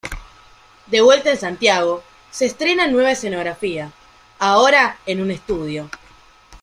De vuelta en Santiago, se estrena nueva escenografía, ahora en un estudio.